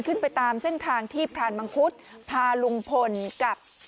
ขึ้นไปตามเส้นทางที่พรานมังคุดพาลุงพลกับ